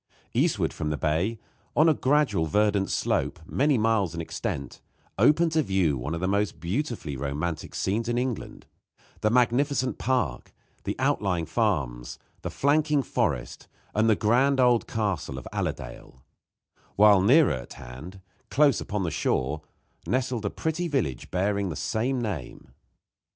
Eastward from the bay, on a gradual verdant slope, many miles in extent, opened to view one of the most beautifully romantic scenes in England the magnificent park, the outlying farms, the flanking forest, and the grand old castle of Allerdale; while nearer at hand, close upon the shore, nestled a pretty village, bearing the same name.